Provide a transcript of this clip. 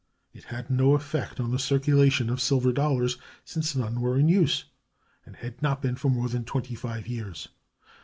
It had no effect on the circulation of silver dollars, since none were in use, and had not been for more than twenty five years.